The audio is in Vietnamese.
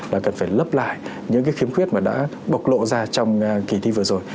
là cần phải lấp lại những cái khiếm khuyết mà đã bộc lộ ra trong kỳ thi vừa rồi